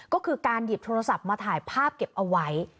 ก็คือการหยิบโทรศัพท์มาถ่ายภาพเก็บเอาไว้